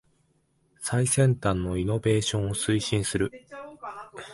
最先端のイノベーションを推進する